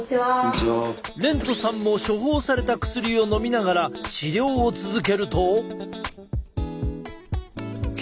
廉都さんも処方された薬をのみながら治療を続けると。